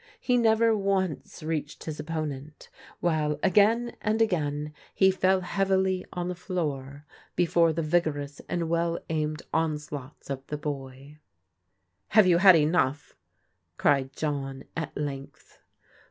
He never once reached his opponent, while again and ag^in he fell heavily on the floor before the vigorous and well aimed onslaughts of the boy. " Have you had enough ?" cried John at length.